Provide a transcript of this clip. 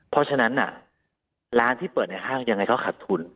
เพราะฉะนั้นร้านที่เปิดในห้างยังไงก็ขัดทุน